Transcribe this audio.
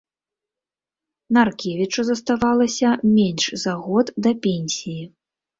Наркевічу заставалася менш за год да пенсіі.